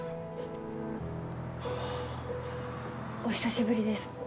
お久しぶりです